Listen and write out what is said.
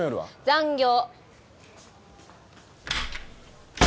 残業。